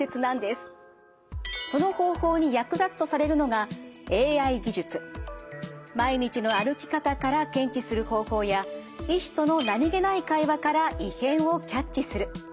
その方法に役立つとされるのが毎日の歩き方から検知する方法や医師との何気ない会話から異変をキャッチする。